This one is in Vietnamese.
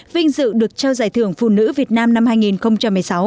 vinh dự được trao giải thưởng phụ nữ việt nam năm hai nghìn một mươi sáu